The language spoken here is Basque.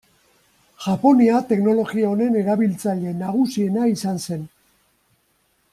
Japonia teknologia honen erabiltzaile nagusiena izan zen.